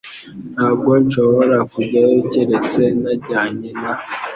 Ntabwo nshobora kujyayo keretse najyanye na